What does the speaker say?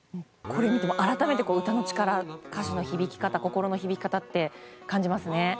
これ見ても改めて歌の力歌詞の響き方、心の響き方を感じますね。